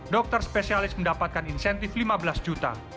dokter spesialis mendapatkan insentif lima belas juta